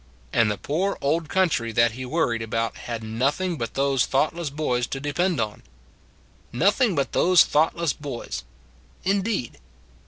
And the poor old country that he wor ried about had nothing but those thought less boys to depend on. Nothing but those thoughtless boys indeed.